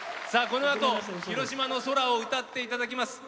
このあと「広島の空」を歌っていただきます。